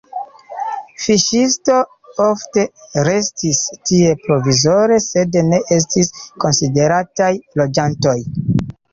Fiŝistoj ofte restis tie provizore, sed ne estis konsiderataj loĝantoj.